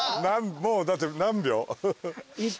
もうだって何秒？